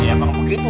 ya emang begitu